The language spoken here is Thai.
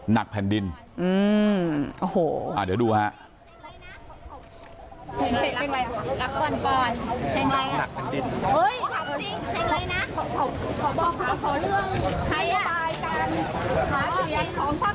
นักเพลง